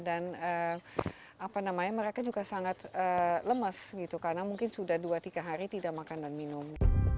dan mereka juga sangat lemes gitu karena mungkin sudah dua tiga hari tidak makan dan minum